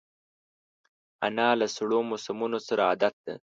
انا له سړو موسمونو سره عادت ده